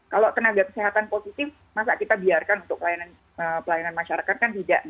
kalau tenaga kesehatan positif masa kita biarkan untuk pelayanan masyarakat kan tidak